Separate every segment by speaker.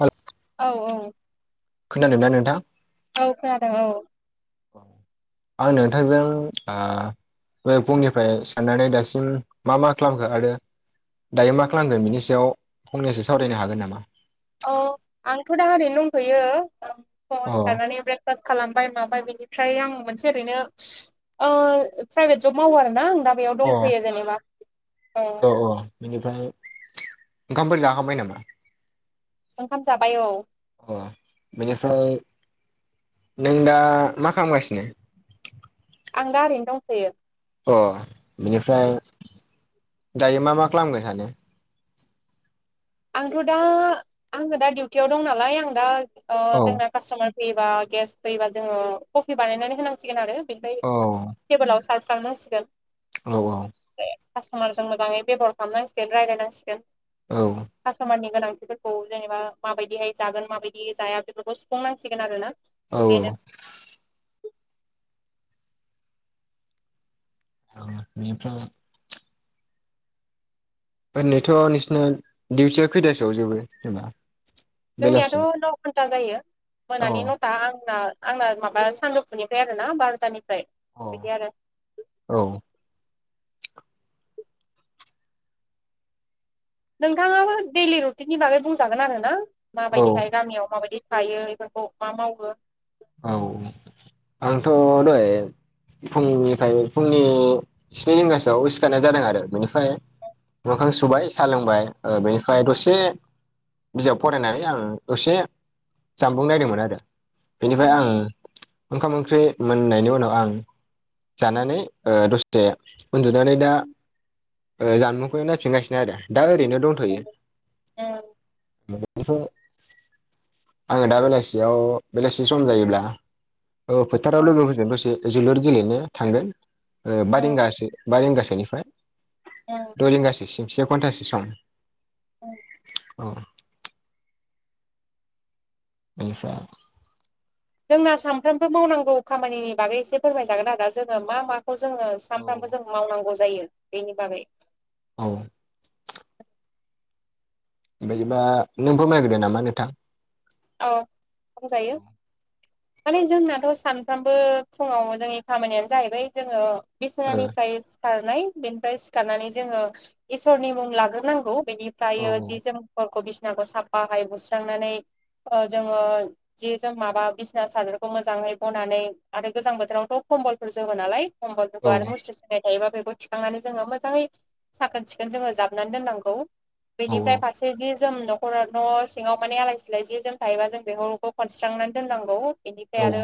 Speaker 1: हेल
Speaker 2: औ औ
Speaker 1: खोनादोंना नोंथां
Speaker 2: औ खोनादों औ
Speaker 1: आं नोंथांजों बे फुंनिफ्राय साननानै दासिम मा मा खालामखो आरो दायो मा खालामगोन बिनि सायाव फंनैसो सावरायनो हागोन नामा
Speaker 2: औ आंथ' दा ओरैनो दंथयो फुंङाव
Speaker 1: अ
Speaker 2: सिखारनानै ओमफ्राय ब्रास खालामबाय माबाय बिनिफ्राय आं मोनसे ओरैनो ओ प्राइभेट जब मावो आरोना आं दा बेयाव
Speaker 1: अ
Speaker 2: दंफैयो जेनेबा
Speaker 1: औ औ बेनिफ्राय ओंखामफोर जाखांबाय नामा
Speaker 2: ओंखाम जाबाय औ
Speaker 1: अ बेनिफ्राय नों दा मा खालामगासिनो
Speaker 2: आं दा ओरैनो दंथयो
Speaker 1: अ बेनिफ्राय दायो मा मा खालामगोन सानो
Speaker 2: आंथ' दा आङो दा डिउटियाव दं नालाय आं दा ओ
Speaker 1: औ
Speaker 2: जोंना कास्ट'मार फैयोबा गेस्ट फैयोबा जोङो कफि बानायनानै होनांसिगोनआरो बेनिफ्राय
Speaker 1: औ
Speaker 2: टेबोलाव सार्फखांनांसिगोन
Speaker 1: औ औ
Speaker 2: फ्राय कास्ट'मारजों मोजाङै बेबहार खालामनांसिगोन रायज्लायनांसिगोन
Speaker 1: औ
Speaker 2: कास्ट'मारनि गोनांथिफोरखौ जेनेबा माबायदिहाय जागोन माबायदि जाया बेफोरखौ सुफुंनांसिगोन आरोना
Speaker 1: औ
Speaker 2: बेनो
Speaker 1: औ बेनिफ्राय ओरैथ' नोंसिना दिडिउटिया खैथासोआवजोबो जेनबा
Speaker 2: जोंनियाथ' नौ घन्टा जायो
Speaker 1: अ
Speaker 2: मोनानि नथा आंना आंना माबा सानजौफुनिफ्राय आरोना बार'तानिफ्राय
Speaker 1: अ
Speaker 2: बिदिआरो
Speaker 1: औ
Speaker 2: नोंथाङाबो दैलि रुटिननि बागै बुंजागोन आरोना
Speaker 1: औ
Speaker 2: माबायदिहाय गामियाव माबायदि थायो बेफोरखौ मा मावो
Speaker 1: औ आंथ' दहाय फुंनिफ्राय फुंनि स्नि रिंगासोआव सिखारनाय जादोंआरो बेनिफ्राय मोखां सुबाय साह लोंबाय ओ बेनिफ्राय दसे बिजाब फरायनानै आङो दसे जानबुं नायदोंमोनआरो बेनिफ्राय
Speaker 2: उम
Speaker 1: आं ओंखाम ओंख्रि मोननायनि उनाव आं जानानै ओ दसे उन्दुनानै दा ओ जानबुंखौ नायफिनगासिनो आरो दा ओरैनो दंथ'यो
Speaker 2: उम
Speaker 1: बेफ्राय आङो दा बेलासियाव बेलासि सम जायोब्ला ओ फोथाराव
Speaker 2: उम
Speaker 1: लोगोफोरजों दसे जोलुर गेलेनो थांगोन ओ बा
Speaker 2: उम
Speaker 1: रिंगासो बा रिंगासोनिफ्राय
Speaker 2: उम
Speaker 1: द' रिंगासोसिम से घन्टासो सम
Speaker 2: उम
Speaker 1: अ आलफा
Speaker 2: जोंना सानफ्रामबो मावनांगौ खामानिनि बागै एसे फोरमायजागोन आरोदा जोङो मा मा खौ जोङो
Speaker 1: औ
Speaker 2: सानफ्रामबो जों मावनांगौ जायो बेनि बागै
Speaker 1: औ बेदिबा नों फोरमायग्रोदो नामा नोंथां
Speaker 2: औ बुंजायो माने जोंनाथ' सानफ्रामबो फुङाव जोंनि खामानियानो जाहैबाय जोङो बिसिनानिफ्राय सिखारनाय बेनिफ्राय सिखारनानै जोङो इसोरनि मुं लाग्रोनांगौ बेनिफ्रायो
Speaker 1: ओ
Speaker 2: जि जोमफोरखौ बिसिनाखौ साफाहाय बुस्रांनानै ओ जोङो जि जोम माबा बिसिना सादोरखौ मोजाङै बनानै आरो गोजां बोथोरावथ' कम्बलफोर जोमो नालाय
Speaker 1: औ
Speaker 2: खम्बलफोरखौ आरो मुस्रि सो [unintelligible] थायोबा बेखौ थिखांनानै जोङो मोजाङै साखोन सिखोन जोङो जाबनानै दोननांगौ। बेनिफ्राय
Speaker 1: औ
Speaker 2: फारसे जि जोम न'खर न' सिङाव माने आलाय सिलाय जि जोम थायोबा जों बेफोरखौ खनस्रांनानै दोननांगौ बेनिफ्राय
Speaker 1: औ
Speaker 2: आरो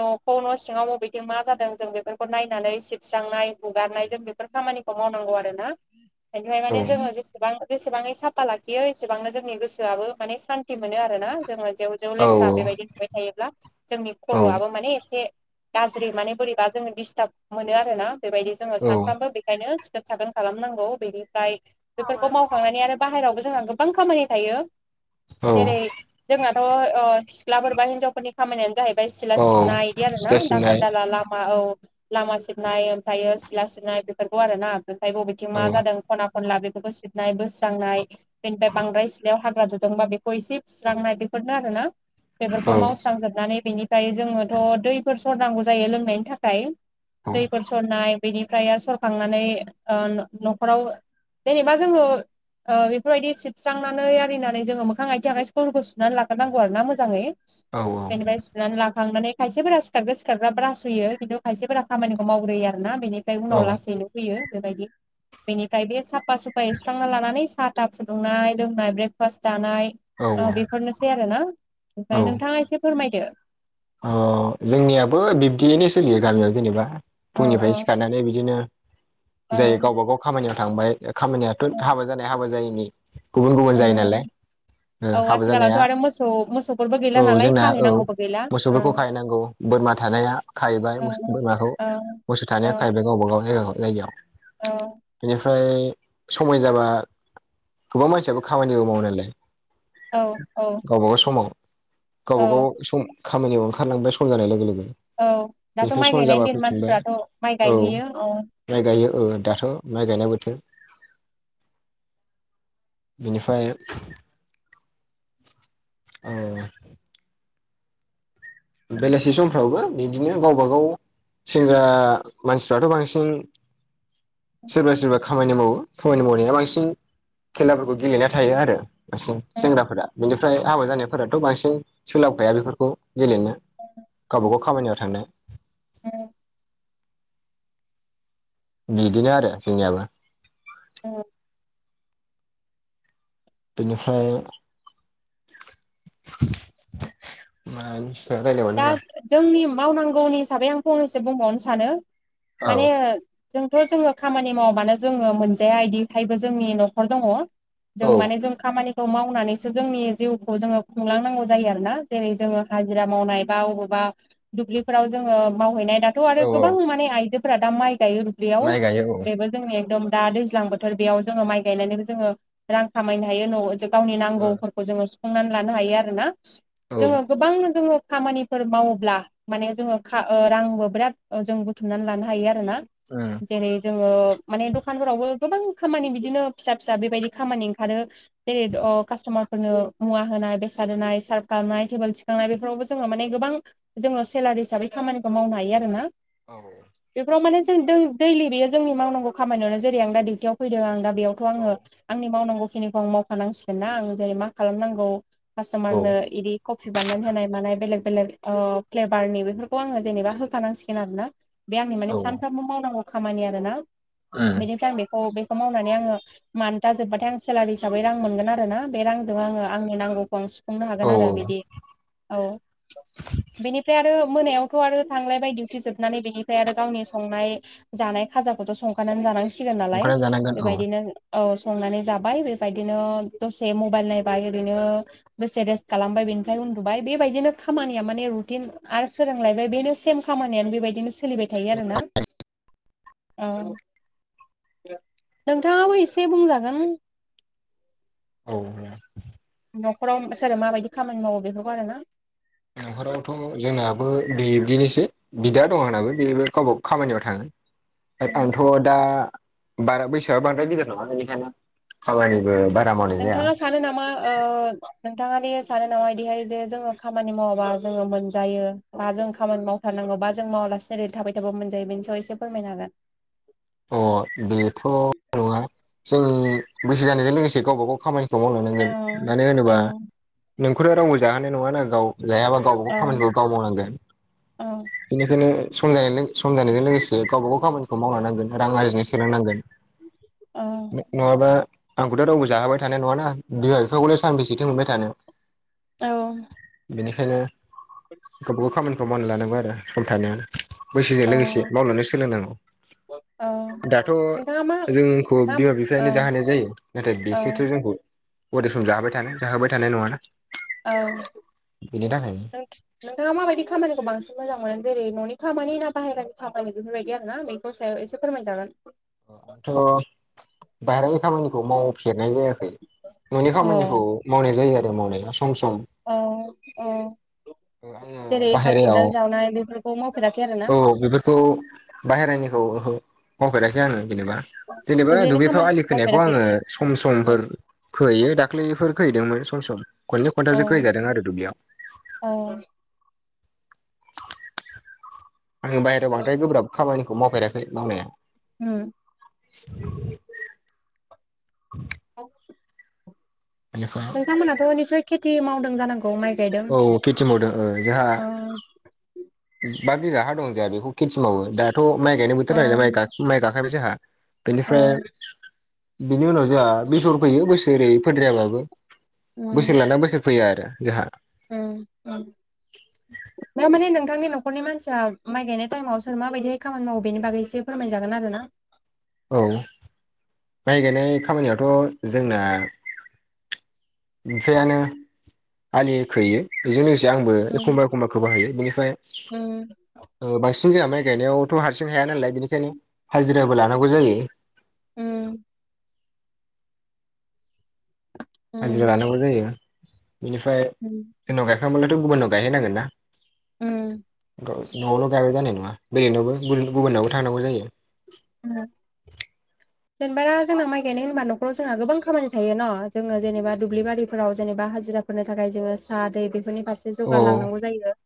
Speaker 2: न'खौ न' सिङाव मबेथिं मा जादों जों बेफोरखौ नायनानै सिबस्रांनाय हुगारनाय जों बेफोर खामानिखौ मावनांगौ आरो ना?
Speaker 1: [inaudible]
Speaker 2: बेनिफाय माने जोङो जेसे बां बेसेबाङै साफा लाखियो एसेबांनो जोंनि गोसोआबो माने सान्ति मोनो आरो ना? जोङो जेव जेव
Speaker 1: औ
Speaker 2: लेथ्रा बेबायदि नुबाय थायोब्ला जोंनि खर'वाबो माने एसे गाज्रि माने बोरैबा जोङो दिस्टाब मोनो आरोना बेबायदि जोङो
Speaker 1: औ
Speaker 2: सानफ्रामबो बेखायनो सिखोन साखोन खालामनांगौ बेनिफ्राय बेफोरखौ मावखांनानै आरो बाहेरायावबो जोंहा गोबां खामानि थायो।
Speaker 1: औ
Speaker 2: जेरै जोंनाथ' सिख्लाफोर बा हिनजावफोरनि खामानियानो जाहै बाय सिला
Speaker 1: औ
Speaker 2: सिबनाय बिदि आरोना
Speaker 1: सिथ्ला सिबनाय
Speaker 2: दाखोर दाला लामा औ लामा सिबनाय ओमफ्रायो सिला सिबनाय बेफोरखौ आरोना ओमफ्राय बबेथिं
Speaker 1: औ
Speaker 2: मा जादों खना खनला बेफोरखौ सिबनाय बोस्रांनाय बेनिफ्राय बांद्राय सिलायाव हाग्रा दुदोंबा बेखौ एसे फुस्रांनाय बेफोरनो आरोना
Speaker 1: औ
Speaker 2: बेफोरखौ मावस्रांजोबनानै बेनि ओमफ्राय जोङोथ' दैफोर सरनांगौ जायो लोंनायनि थाखाय
Speaker 1: औ
Speaker 2: दैफोर स सरनाय बेनिफ्राय आरो सरखांनानै न'खराव जेनेबा जोङो बेफोरबायदि सिबस्रांनानै आरिनानै जोङो मोखां आथिं आखाइ फोरखौ सुनानै लाग्रोनांगौ आरो ना मोजाङै
Speaker 1: औ
Speaker 2: बेनिफ्राय सुनानै लाखांनानै खायसेफोरा सिखारगो सिखारग्रा ब्रास हुयो खिन्थु खायसेफोरा खामानिखौ मावग्रोयो आरोना बेनि फ्राय उनाव लासैनो हुयो बेबायदि बेनिफ्राय बे साफा सुफा एस्रांना लानानै सा सा फुदुंनाय लोंनाय ब्रेकफास्ट जानाय औ बेफोरनोसै आरो ना ओमफ्राय
Speaker 1: औ
Speaker 2: नोंथाङा एसे फोरमायदो।
Speaker 1: अ जोंनियाबो बिब्दियैनो सोलियो गामियाव जेनेबा
Speaker 2: औ
Speaker 1: फुंनिफ्राय सिखारनानै बिदिनो
Speaker 2: औ
Speaker 1: जाय गावबा गाव खामानियाव थांबाय खामानियाथ' हाबा जानाय हाबा जायिनि गुबुन गुबुन जायो नालाय
Speaker 2: उम
Speaker 1: ओ
Speaker 2: औ
Speaker 1: हाबा
Speaker 2: आथिखालावथ'
Speaker 1: जानाया
Speaker 2: आरो मोसौ मोसौफोरबो गैला नालाय खाहैनांगौबो गैला। ओं
Speaker 1: फोरखौ खाहैनांगौ बोरमा थानाया खाहैबाय
Speaker 2: औ
Speaker 1: बोरमाखौ
Speaker 2: औ
Speaker 1: मोसौ
Speaker 2: औ
Speaker 1: थानाया खाहैबाय। गावबा गाव जायगायाव
Speaker 2: औ
Speaker 1: बेनिफ्राय समाय जाबा गोबां मानसियाबो खामानिबो मावो नालाय
Speaker 2: औ औ
Speaker 1: गावबागाव समाव
Speaker 2: औ
Speaker 1: गावबाागाव सम खामानियाव ओंखारलांबाय सम जानाय लोगो लोगो
Speaker 2: औ दाथ'
Speaker 1: बेनिफ्राय
Speaker 2: माइ
Speaker 1: सम
Speaker 2: गायनायनि
Speaker 1: जाबा
Speaker 2: दिन
Speaker 1: फैफिनबाय
Speaker 2: मानसिफ्राथ' माइ
Speaker 1: औ
Speaker 2: गायहैयो औ
Speaker 1: माइ गायो ओ दाथ' माइ गायनाय बोथोर बेनिफ्राय औ बेलासि समफ्रावबो बिदिनो गावबा गाव सेंग्रा मानसिफ्राथ' बांसिन सोरबा सोरबा खामानि मावो खामानि मावनाया बांसिन खेलाफोरखौ गेलेना थायो आरो बांसिन
Speaker 2: उम
Speaker 1: सेंग्राफोरा बेनिफ्राय हाबा जानायफोराथ' बांसिन सोलाबखाया बेफोरखौ गेलेनो गावबा गाव खामानियाव थांनो
Speaker 2: औ
Speaker 1: बिदिनो आरो जोंनियाबो।
Speaker 2: औ
Speaker 1: बेनिफ्राय [unintelligible]
Speaker 2: दा
Speaker 1: रायलायहरनाङा
Speaker 2: जोंनि मावनांगौनि हिसाबै आं फंनैसो बुंबावनो सानो
Speaker 1: औ
Speaker 2: माने जोंथ' जोङो खामानि मावाबानो जोङो मोनजाया बिदिखायबो जोंनि न'खर दङ। जों
Speaker 1: औ
Speaker 2: माने जों खामानिखौ मावनानैसो जोंनि जिउखौ जोङो खुंलांनांगौ जायो आरोना जेरै जोङो हाजिरा मावनाय बा बबावबा दुब्लिफोराव जोङो मावहैनाय दाथ' आरो
Speaker 1: औ औ
Speaker 2: गोबां माने आइजोफोरा दा माइ गायो।
Speaker 1: माइ गायो औ
Speaker 2: बेयाव [unintelligible] जोंनि एकदम दा दैज्लां बोथोर बेयाव जोङो माइ गायनानैबो जोङो रां खामायनो हायो न'आव गावनि
Speaker 1: ओ
Speaker 2: नांगौफोरखौ जोङो सुफुंनानै लानो हायो आरोना
Speaker 1: औ
Speaker 2: जोङो गोबां जोङो खामानिफोर मावोब्ला माने जोङो खा ओ रांबो बिराद जों बुथुमनानै लानो हायो आरो ना।
Speaker 1: उम
Speaker 2: जेरै जोङो माने दखानफोरावबो गोबां खामानि बिदिनो फिसा फिसा बेबायदि खामानि ओंखारो जेरै कास्ट'मारफोरनो मुवा होनाय बेसाद होनाय सार्भ खालामनाय टेबोल थिखांनाय बेफोरावबो जोङो माने गोबां जोङो सेलारि हिसाबै खामानिखौ मावनो हायो आरोना।
Speaker 1: औ
Speaker 2: बेफोराव माने जों दै-दैलि बेयो जोंनि मावनांगौ खामानियावनो जेरै आं दा डिउटियाव फैदों आं दा बेयाव आङो आंनि मावनांगौखिनिखौ आं मावखानांसिगोन ना आं जेरै मा खालामनांगौ
Speaker 1: औ
Speaker 2: कास्ट'मारनो इदि कफि बानायनानै होनाय मानाय बेलेग बेलेग ओ फ्लेभारनि बेफोरखौ आङो जेनेबा होखानांसिगोन आरो ना। बे आंनि माने
Speaker 1: औ
Speaker 2: सानफ्रामबो मावनांगौ खामानि आरोना
Speaker 1: उम
Speaker 2: बेनिफ्राय आं बेखौ बेखौ मावनानै आङो मान्था जोब्बाथाय आं सेलारि हिसाबै रां मोनगोन आरो ना बे रांजों आंङो आंनि नांगौखौ आं सुफ फुंनो
Speaker 1: औ
Speaker 2: हागोन आरो बिदि औ बेनिफ्राय आरो मोनायावथ' आरो थांलायबाय दिउथि जोबनानै बेनिफ्राय आरो गावनि संनाय जानाय खाजाखौथ' संखानानै जानांसिगोन नालाय
Speaker 1: संखाना जानांगोन औ
Speaker 2: बेबायदिनो औ संनानै जाबाय बेबायदिनो दसे मबाइल नायबाय ओरैनो दसे रेस्ट खालामबाय बेनिफ्राय उन्दुबाय बेबायदिनो खामानिया माने रुटिन आरो सोरांलायबाय बेनो सेम खामानियानो बेबायदिनो सोलिबाय थायो आरो ना। औ नोंथाङाबो एसे बुंजागोन
Speaker 1: औ
Speaker 2: न'खराव सोरो माबायदि खामानि मावो बेफोरखौ आरो ना।
Speaker 1: न'खरावथ' जोंनाबो बिब्दिनोसै बिदा दं आंनाबो बे गावबा खामानियाव थाङो। आंथ' दा बारा बैसोआ बांद्राय गिदिर नङा बेनिखायनो खामानिबो बा
Speaker 2: नोंथाङा सानो नामा ओ नोंथाङादि सानो नामा बिदिहाय जे जोङो खामानि मावाबा जोङो मोनजायो बा जों खामानि मावथारनांगौ बा जों मावालासेनो ओरै थाबाय थाबा मोनजायो बेनि सायाव एसे फोरमायनो हागोन।
Speaker 1: अ बेथ' नङा जों गोसो जानायजों लोगोसे गावब गाव खामानि
Speaker 2: औ
Speaker 1: मावलांनांगोन मानो
Speaker 2: औ
Speaker 1: होनोबा नोंखौथ' रावबो जाहोनानाय नङाना गाव जायाबा
Speaker 2: औ
Speaker 1: गावबागाव खामानिखौ गाव मावनांगोन। बेनिखायनो सम जानायजों लो सम जानायजों लोगोसे गावब गाव खामानिखौ मावलां नांगोन। रां आरजिनो सोलोंनांगोन
Speaker 2: औ
Speaker 1: नङाबा आंखौथ' रावबो जाहाबाय थानाय नङाना बिमा बिफाखौलाय सानबैसेथो मोनबाय थानो।
Speaker 2: औ
Speaker 1: बेनिखायनो गावबाागाव खामानिखौ मावना लानांगौ आरो सम थानायावनो। बैसोजों लोगोसे
Speaker 2: औ
Speaker 1: मावलांनो सोलोंनांगौ।
Speaker 2: औ
Speaker 1: दाथ'
Speaker 2: नोंथाङा मा
Speaker 1: जोंखौ
Speaker 2: मा
Speaker 1: बिमा
Speaker 2: औ
Speaker 1: बिफायानो जाहोनाय जायो नाथाय
Speaker 2: औ
Speaker 1: बेसोरथ' जोंखौ अराय सम जाहोबाय थानो जाहोबाय थानाय नङा ना।
Speaker 2: औ नोंथाङा माबायदि खामानिखौ बांसिन मोजां मोनो जेरै न'नि खामानि ना बाहेरानि खामानि बेफोरबायदि आर ना बे दसायाव एसे फोरमायजागोन
Speaker 1: थ' बाहेरानि खामानिखौ मावफेरनाय जायाखै न'नि
Speaker 2: अ
Speaker 1: खामानिखौ मावनाय जायो आरो मावनाया सम सम
Speaker 2: ओ औ
Speaker 1: आङो
Speaker 2: जेरै हाल
Speaker 1: बाहेरायाव
Speaker 2: खदाल जावनाय बेफोरखौ मावफेराखै आरो ना?
Speaker 1: खौ बाहेरनिखौ मावफेराखै आङो जेनेबा जेनेबा
Speaker 2: दुब्लिनि
Speaker 1: दुुब्लिफ्राव आलि
Speaker 2: खामानिखौ
Speaker 1: खोनायखौ
Speaker 2: मावफेराखै
Speaker 1: आङो सम समफोर खोैयो दाख्लैफोर खोहैदोंमोन सम सम खनै
Speaker 2: औ
Speaker 1: खन्थावसो गैजादों आरो दुब्लियाव
Speaker 2: औ
Speaker 1: आरो बाहेरायाव बांद्राय गोब्राब खामानिखौ मावफेराखै मावनाया
Speaker 2: हम
Speaker 1: [inaudible]
Speaker 2: औ
Speaker 1: [unintelligible]
Speaker 2: नोंथांमोनाथ' बिनिफ्राय खेथि मावदों जानांगौ माइ गायदों
Speaker 1: औ खेथि मावदों ओ जोंहा
Speaker 2: ओं?
Speaker 1: बा बिघा हा दं जोंहा बेखौ खेथि मावो दाथ' माइ गायनो
Speaker 2: अ
Speaker 1: बोथोर न म माइ गाखायबाय जोंहा
Speaker 2: अ
Speaker 1: बेनिफ्राय बेनि उनाव जोंहा बेसर फैयो बोसोरै फोदायाबाबो
Speaker 2: उम
Speaker 1: बोसोर लाना बोसोर फैयो आरो जोंहा
Speaker 2: उम
Speaker 1: [inaudible]
Speaker 2: दा माने नोंथांनि न'खरनि मानसिया माइ गायनाय टाइमाव सोर माबायदिहाय खामानि मावो बेनि बागैसे फोरमायजागोन आरो ना
Speaker 1: औ माइ गायनाय खामानियावथ' जोंना ओमफ्रायायानो आलि खोयो बेजों लोगोसे आंबो
Speaker 2: उम
Speaker 1: एखमबा एखमबा खोबाहायो बेनिफ्राय
Speaker 2: उम
Speaker 1: बांसिन जोंहा माइ गायनायावथ' हारसिं हाया नालाय बेनिखायनो हाजिराबो लानांगौ जायो
Speaker 2: उम
Speaker 1: हाजिरा लानांगौ जायो बेनिफ्राय
Speaker 2: उ
Speaker 1: जोंनाव गायखांब्लाथ' गुबुनाव गायहैनांगोन ना
Speaker 2: उम
Speaker 1: न'आवल' गायबाय जानाय नङा बेलेगनावबो गुबुननावबो थांनांगौ जायो।
Speaker 2: ओ
Speaker 1: [inaudible]
Speaker 2: जेनेबा जोंना माइ गायनाय होनबा नखराव जोंहा गोबां खामानि थायो न' जोङो जेनेबा दुब्लिारिफोराव जेनेबा हाजिरा होननो थाखाय जोङो साहा दै बेफोरनि फारसे
Speaker 1: औ
Speaker 2: जगारलांनांगौ जायो।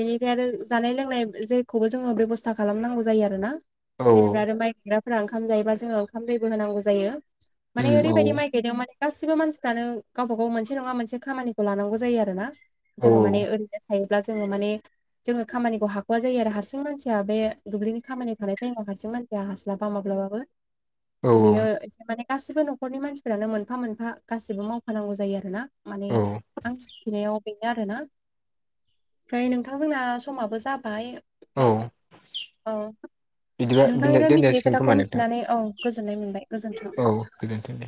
Speaker 2: बेनिफ्राय आरो जानाय लोंनाय जेखौबो जोङो बेब'स्था खालामनांगौ जायो आरो ना।
Speaker 1: औ
Speaker 2: जेनेबा आरो माइ गायग्राफोरारा ओंखाम जायोबा जोङो ओंखाम दैबो होनांगौ जायो माने ओरैबायाददि माइ गायदों माने गाैबो मानसिफ्रानो गावबा गाव मोनसे नङा मोनसे खामानिखौ लानांगौ जायो आरो ना।
Speaker 1: औ
Speaker 2: जग मानि रैज थायो दा जों माने जोंखामानि हाख'वा जायो आरो हारसिं मानसिया बे दुब्लिनि खामानि थानाय माव हार एसे मानसिया हास्लाबा माब्लाबाबो
Speaker 1: औ
Speaker 2: बेयो एसे माने गासैबो न'खरनि मानसिफोरानो मोनफा मोनफा गासिबो मावफानांगौ जायो आर ना माने
Speaker 1: औ औ
Speaker 2: आंथिनायाव बेनो आरोना ओमफ्राय नोंथांजोंना समाबो जाबाय
Speaker 1: औ
Speaker 2: फ्राय औ
Speaker 1: बिदिबा
Speaker 2: नोंथांनिफ्राय मिथियै
Speaker 1: दोननायासिगोन
Speaker 2: खोथाखौ
Speaker 1: खोमा नोंथां
Speaker 2: मिथिनानै औ गोजोननाय मोनबाय गोजोन्थों
Speaker 1: औ गोजोनथों दे।